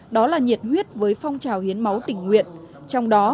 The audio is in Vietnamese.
đó là nhiệt huyết với phong trào hiến máu tỉnh huyện